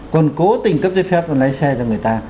còn cố tình cấp giấy phép lái xe cho người ta